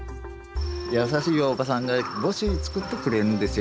優しいおばさんが帽子作ってくれるんですよ。